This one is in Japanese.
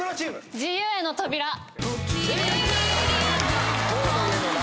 『自由への扉』正解。